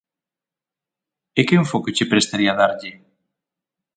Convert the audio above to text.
E que enfoque che prestaría darlle?